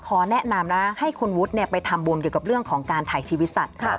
แนะนำนะให้คุณวุฒิไปทำบุญเกี่ยวกับเรื่องของการถ่ายชีวิตสัตว์